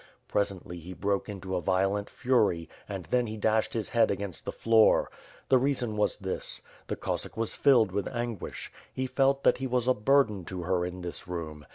Pres ently, he broke into a violent fury, and then he dashed his head against the floor. The reason was this: The Cossack was filled with anguish; he felt that he was a burden to her in this room.